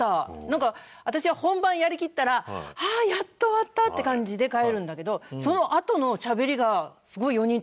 なんか私は本番やりきったらああーやっと終わったって感じで帰るんだけどそのあとのしゃべりがすごい４人とも面白くて。